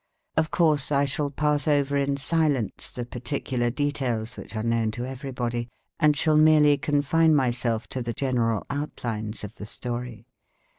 Of course, I shall pass over in silence the particular details which are known to everybody, and shall merely confine myself to the general outlines of the story.